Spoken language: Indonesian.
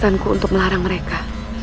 kau mencari saya untuk melarang mereka